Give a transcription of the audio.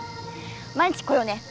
毎日来ようね。